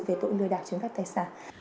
về tội lừa đạt trên các tài sản